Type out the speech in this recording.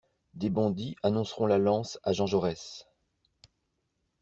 Des bandits annonceront la lance à Jean Jaurès.